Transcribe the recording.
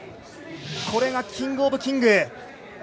これがキングオブキング。